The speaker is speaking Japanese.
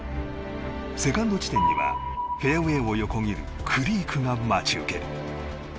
セカンド地点にはフェアウェーを横切るクリークが待ち受ける。